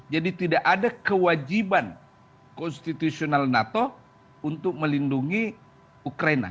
jadi tidak ada kewajiban konstitusional nato untuk melindungi ukraina